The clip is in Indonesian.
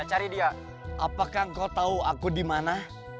apakah kau tahu aku di mana